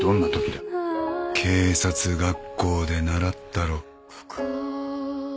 警察学校で習ったろ。